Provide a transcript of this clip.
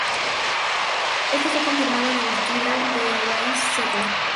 Esto fue confirmado en el Twitter de Ryan Seacrest.